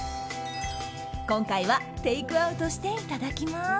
今回はテイクアウトしていただきます！